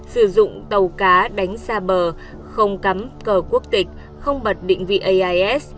sử dụng tàu cá đánh xa bờ không cắm cờ quốc tịch không bật định vị ais